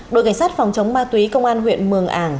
đội cảnh sát phòng chống ma túy công an huyện mường ảng